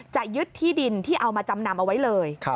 จะยึดที่ดินที่เอามาจำนำเอาไว้เลย